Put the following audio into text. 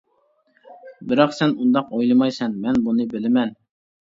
بىراق سەن ئۇنداق ئويلىمايسەن، مەن بۇنى بىلىمەن.